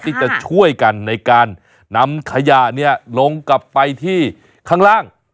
ที่จะช่วยกันในการนำขยะเนี่ยลงกลับไปที่ข้างล่าง